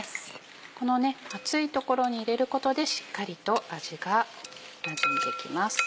この熱いところに入れることでしっかりと味がなじんできます。